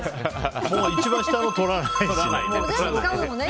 一番下のとらないし。